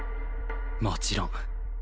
もちろん